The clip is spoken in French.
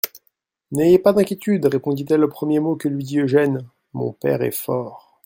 N'ayez pas d'inquiétude, répondit-elle aux premiers mots que lui dit Eugène, mon père est fort.